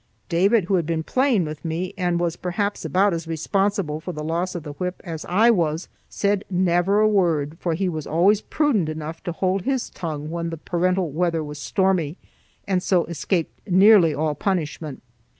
David, who had been playing with me and was perhaps about as responsible for the loss of the whip as I was, said never a word, for he was always prudent enough to hold his tongue when the parental weather was stormy, and so escaped nearly all punishment.